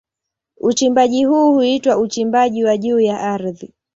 Uchimbaji huu huitwa uchimbaji wa juu ya ardhi.